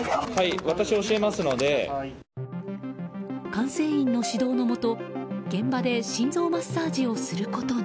管制員の指導のもと、現場で心臓マッサージをすることに。